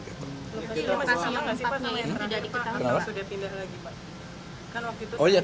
masih empat yang sudah diketahui atau sudah pindah lagi